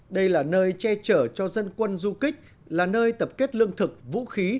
đây là nơi che chở cho dân quân du kích là nơi tập kết lương thực vũ khí